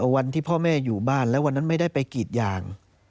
วันที่พ่อแม่อยู่บ้านแล้ววันนั้นไม่ได้ไปกรีดยาง